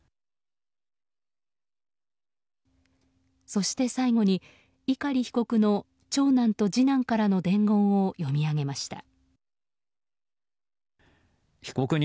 そして最後に碇被告の長男と次男からの伝言を読み上げました。